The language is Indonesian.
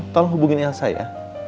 kau tolong hubungin elsa ya